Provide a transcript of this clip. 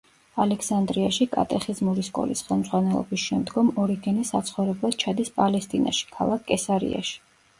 ალექსანდრიაში კატეხიზმური სკოლის ხელმძღვანელობის შემდგომ ორიგენე საცხოვრებლად ჩადის პალესტინაში, ქალაქ კესარიაში.